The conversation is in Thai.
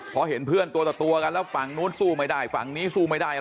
พอเห็นเพื่อนตัวต่อตัวกันแล้วฝั่งนู้นสู้ไม่ได้ฝั่งนี้สู้ไม่ได้